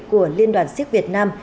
của liên đoàn siếc việt nam